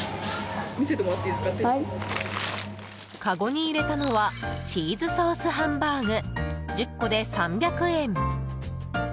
かごに入れたのはチーズソースハンバーグ１０個で３００円。